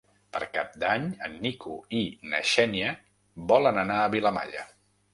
Per Cap d'Any en Nico i na Xènia volen anar a Vilamalla.